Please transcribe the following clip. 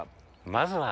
まずは。